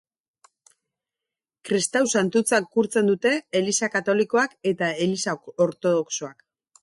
Kristau santutzat gurtzen dute Eliza Katolikoak eta Eliza Ortodoxoak.